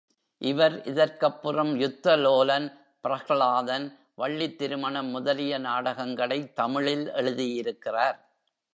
இவர் இதற்கப்புறம் யுத்த லோலன், பிரஹ்லாதன், வள்ளித் திருமணம் முதலிய நாடகங்களைத் தமிழில் எழுதியிருக்கிறார்.